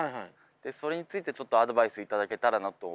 それについてちょっとアドバイスいただけたらなと。